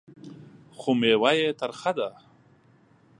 خو مېوه یې ترخه ده .